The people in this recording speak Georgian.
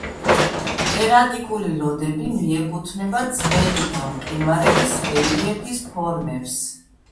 ერატიკული ლოდები მიეკუთვნება ძველი გამყინვარების რელიეფის ფორმებს.